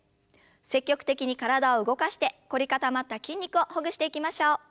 積極的に体を動かして凝り固まった筋肉をほぐしていきましょう。